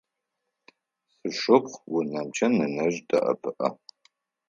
Сшыпхъу унэмкӏэ нэнэжъ дэӏэпыӏэ.